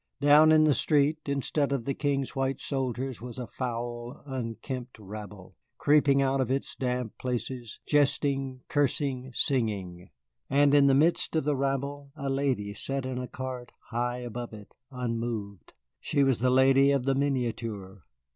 Down in the street, instead of the King's white soldiers, was a foul, unkempt rabble, creeping out of its damp places, jesting, cursing, singing. And in the midst of the rabble a lady sat in a cart high above it unmoved. She was the lady of the miniature.